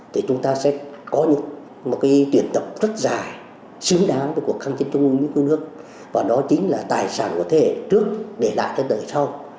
thì chúng ta sẽ có một cái tuyển tộc rất dài xứng đáng với cuộc khăn chế chống bị cung nước và đó chính là tài sản của thế hệ trước để lại cho đời sau